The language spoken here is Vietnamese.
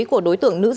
của đối tượng nữ dưỡng